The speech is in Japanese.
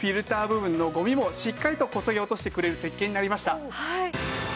部分のゴミもしっかりとこそぎ落としてくれる設計になりました。